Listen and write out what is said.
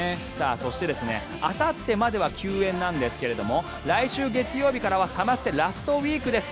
そしてあさってまでは休演なんですが来週月曜日からはサマステラストウィークです。